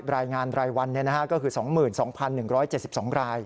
รายงานรายวันเนี่ยนะฮะก็คือ๒๒๑๗๒ราย